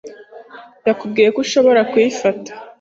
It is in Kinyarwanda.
yakubwiye ko ushobora kuyifata?